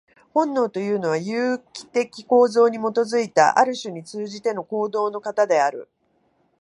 本能というのは、有機的構造に基いた、ある種に通じての行動の型である。